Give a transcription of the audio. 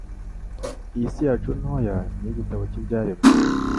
Iyi si yacu ntoya ni igitabo cy'ibyaremwe.